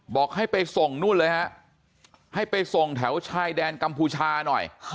บอกให้ไปส่งนู่นเลยฮะให้ไปส่งแถวชายแดนกัมพูชาหน่อย